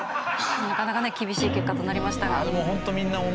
なかなか厳しい結果となりましたが。